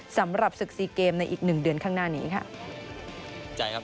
สำหรับศึกซีเกมในอีกหนึ่งเดือนข้างหน้านี้ค่ะ